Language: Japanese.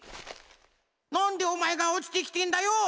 なんでおまえがおちてきてんだよ！